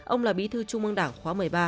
ông là bí thư trung ương đảng khóa một mươi ba